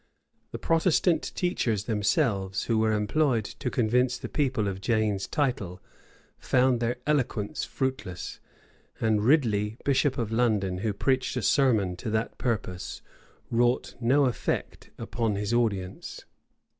The Protestant teachers themselves, who were employed to convince the people of Jane's title, found their eloquence fruitless; and Ridley, bishop of London, who preached a sermon to that purpose, wrought no effect upon his audience.